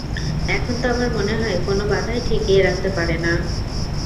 এখন তো আমার মনে হয়, কোনো বাধাই ঠেকিয়ে রাখতে পারে না।